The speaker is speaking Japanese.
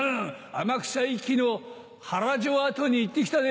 天草一揆の原城跡に行って来たぜ。